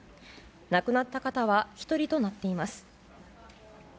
亡くなった方は１人となっています。